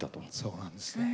そうなんですね。